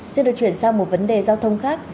xin được chuyển sang một vấn đề giao thông khác